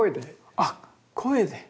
あっ声で。